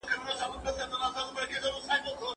ایا ستا ښوونکی له تا سره مرسته کوي؟